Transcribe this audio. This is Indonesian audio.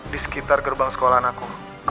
di sekitar gerbang sekolah anakku